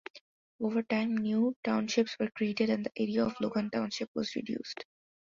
Over time, new townships were created and the area of Logan Township was reduced.